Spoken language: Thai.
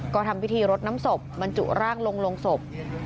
ก็ทำพิธีรดน้ำศพบรรจุร่างลงศพ